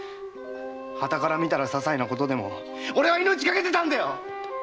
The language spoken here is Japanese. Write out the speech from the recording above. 傍から見たら些細なことでも俺は命かけてたんだよ‼〕